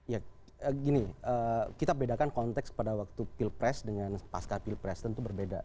ya gini kita bedakan konteks pada waktu pilpres dengan pasca pilpres tentu berbeda